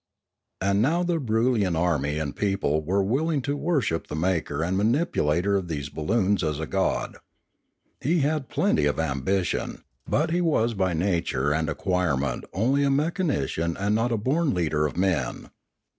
And now the Broolyian army and people were will ing to worship the maker and manipulator of these balloons as a god. He had plenty of ambition; but he was by nature and acquirement only a mechanician and not a born leader of men.